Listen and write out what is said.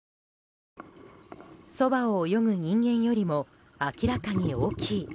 そばを泳ぐ人間よりも明らかに大きい。